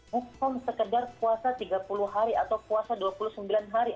bukan sekedar puasa tiga puluh hari atau puasa dua puluh sembilan hari